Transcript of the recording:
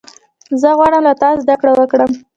زه غواړم له تا زدهکړه وکړم.